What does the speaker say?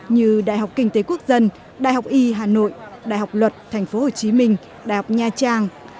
như đại học kinh tế quốc dân đại học y hà nội đại học luật thành phố hồ chí minh đại học nha trang